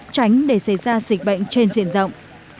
tránh để xảy ra dịch bệnh trên diện rộng